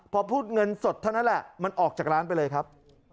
พอพูดเงินสดเท่านั้นแหละมันออกจากร้านไปเลยครับ